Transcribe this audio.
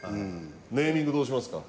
ネーミングどうしますか？